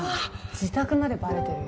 自宅までバレてるよ。